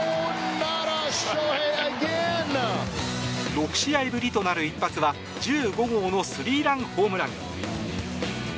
６試合ぶりとなる一発は１５号のスリーランホームラン。